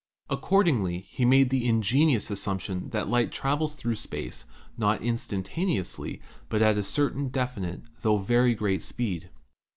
Accordingly he made the in genious assumption that light travels through space, not in stantaneously, but at a certain definite tho very great speed.